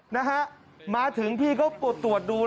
นะฮะมาถึงพี่ก็ตรวจดู